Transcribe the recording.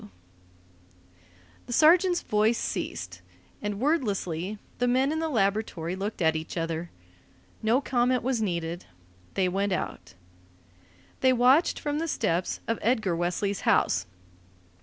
W. The sergeant's voice ceased, and wordlessly the men in the laboratory looked at each other. No comment was needed. They went out. They watched from the steps of Edgar Wesley's house.